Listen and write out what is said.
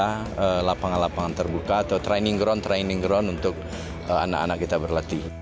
kita harus memiliki lapangan lapangan terbuka atau training ground untuk anak anak kita berlatih